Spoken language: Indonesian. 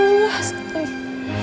mama lelah sekali